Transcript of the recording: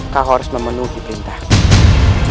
kau harus memenuhi perintahku